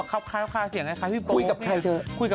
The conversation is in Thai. ปล่อยคลิปเสียงคลิปเปิดเลยนะ